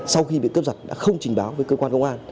sau khi bị cướp giật đã không trình báo với cơ quan công an